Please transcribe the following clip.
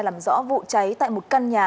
làm rõ vụ cháy tại một căn nhà